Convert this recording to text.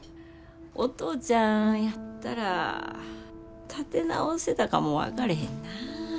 お父ちゃんやったら立て直せたかも分かれへんな。